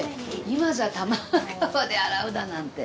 今じゃ多摩川で洗うだなんて。